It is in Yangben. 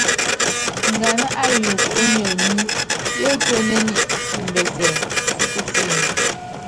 Nganá ayuuku ónyonyi, yétuénen imbɛsɛ si kusííni.